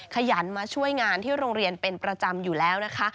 ขยันมาช่วยงานที่โรงเรียนเป็นประจำอยู่แล้วนะคะ